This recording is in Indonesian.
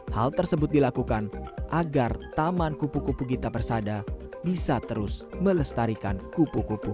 hal tersebut dilakukan agar taman kupu kupu gita persada bisa terus melestarikan kupu kupu